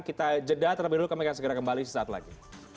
kita jeda terlebih dahulu kami akan segera kembali sesaat lagi